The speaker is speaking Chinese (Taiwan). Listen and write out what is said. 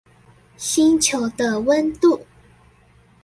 星球的溫度